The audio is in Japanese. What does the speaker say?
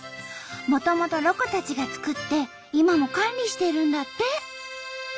もともとロコたちが作って今も管理してるんだって！